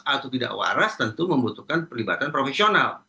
atau tidak waras tentu membutuhkan perlibatan profesional